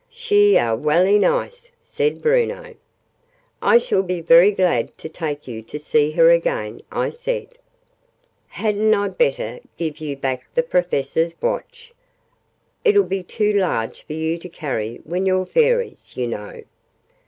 "She are welly nice," said Bruno. "I shall be very glad to take you to see her again," I said. "Hadn't I better give you back the Professor's Watch? It'll be too large for you to carry when you're Fairies, you know."